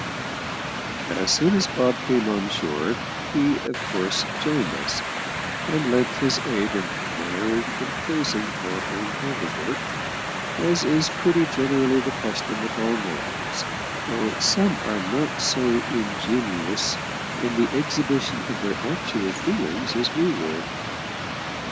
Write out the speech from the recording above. As soon as Bob came on shore, he, of course, joined us, and lent his aid in admiring and praising our own handiwork, as is pretty generally the custom with all mortals, though some are not so ingenuous in the exhibition of their actual feelings as we were.